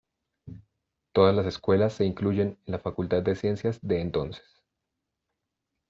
Todas las escuelas se incluyen en la Facultad de Ciencias de entonces.